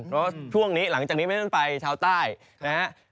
เพราะช่วงนี้หลังจากนี้เป็นต้นไปชาวใต้นะฮะ